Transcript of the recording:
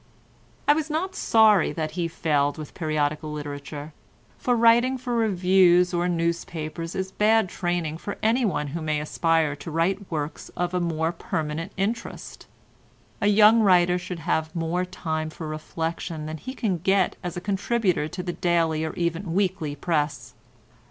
I was not sorry that he failed with periodical literature, for writing for reviews or newspapers is bad training for one who may aspire to write works of more permanent interest. A young writer should have more time for reflection than he can get as a contributor to the daily or even weekly press.